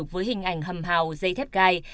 với hình ảnh hầm hào dây thép gai